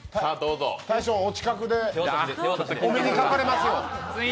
大将、お近くでお目にかかれますよ。